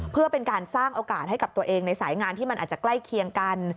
เพื่อเป็นการสร้างโอกาสให้กับตัวเองในสายงานที่มันอาจจะใกล้เคียงกัน